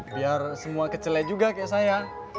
biar semua kecelai juga kayak saya